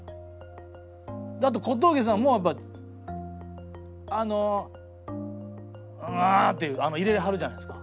あと小峠さんもやっぱりあの「うん」って入れはるじゃないですか。